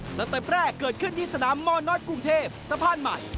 เต็ปแรกเกิดขึ้นที่สนามมน้อยกรุงเทพสะพานใหม่